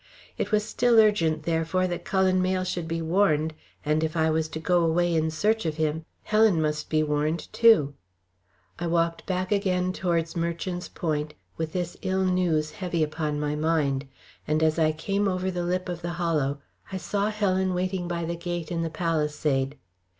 It was still urgent, therefore, that Cullen Mayle should be warned, and if I was to go away in search of him, Helen must be warned too. I walked back again towards Merchant's Point with this ill news heavy upon my mind, and as I came over the lip of the hollow, I saw Helen waiting by the gate in the palisade.